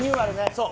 そう。